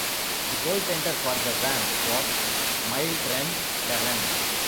The goaltender for the Vamps was Mildren Terran.